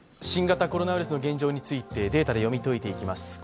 新型コロナウイルスの現状についてデータで読み解いていきます。